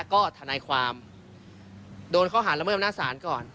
แล้วก็ทันไรความโดนเข้าหาระเมิยอำนาจศาลก่อน